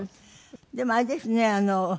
でもあれですね。